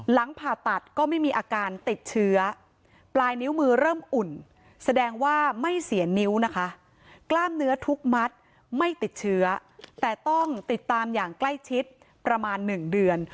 หลังผ่าตัดก็ไม่มีอาการติดเชื้อปลายนิ้วมือเริ่มอุ่นแสดงว่าไม่เสียนิ้วนะคะกล้ามเนื้อทุกมัดไม่ติดเชื้อแต่ต้องติดตามอย่างใกล้ชิดประมาณ๑เดือน